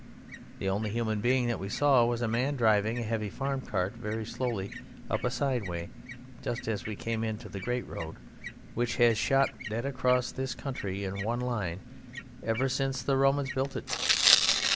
The only human being that we saw was a man driving a heavy farm cart very slowly up a side way just as we came into the great road which has shot dead across this country in one line ever since the Romans built it.